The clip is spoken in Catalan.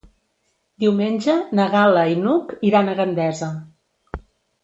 Diumenge na Gal·la i n'Hug iran a Gandesa.